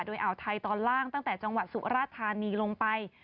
โดยอ่าวไทยตอนล่างตั้งแต่จังหวัดสุราธานีลงไป